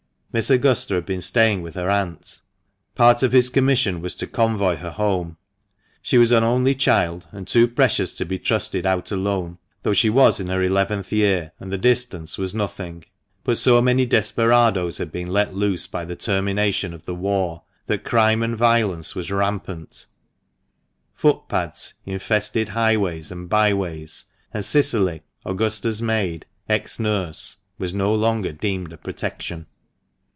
Miss Augusta had been staying with her aunt. Part of his commission was to convoy her home; she was an only child, and too precious to be trusted out alone, though she was in her eleventh year, and the distance was nothing. But so many desperadoes had been let loose by the termination of the war, that crime and violence was rampant, footpads infested highways and byways, and Cicily, Augusta's maid — ex nurse — was no longer deemed a protection. THE MANCHESTER MAN.